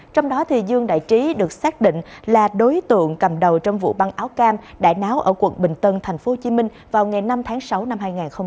trong đó dương đại trí được xác định là đối tượng cầm đầu trong vụ băng áo cam đại náo ở quận bình tân tp hcm vào ngày năm tháng sáu năm hai nghìn hai mươi ba